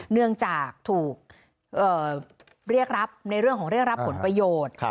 เนื่องจากถูกเรียกรับในเรื่องของเรียกรับผลประโยชน์